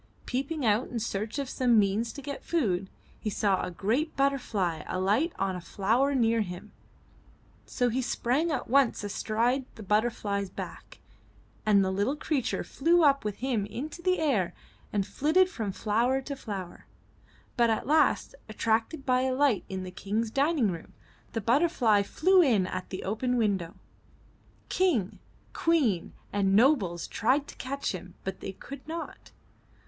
Peeping out in search of some means to get food, he saw a great butter fly alight on a flower near him, so he sprang at once astride the butterfly's back and the little creature flew up with him into the air and flitted from flower to flower. But at last, attracted by a light in the King's dining room, the butterfly flew in at the open window. King, Queen and nobles tried to catch him, but they could not.